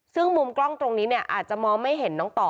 ซึ่งมุมกล้องตรงนี้เนี่ยอาจจะมองไม่เห็นน้องต่อ